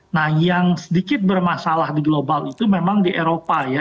nah yang sedikit bermasalah di global itu memang di eropa ya